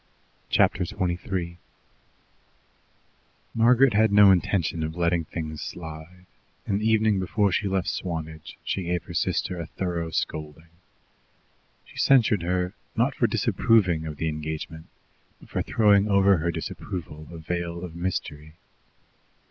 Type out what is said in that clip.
Chapter 23 Margaret had no intention of letting things slide, and the evening before she left Swanage she gave her sister a thorough scolding. She censured her, not for disapproving of the engagement, but for throwing over her disapproval a veil of mystery.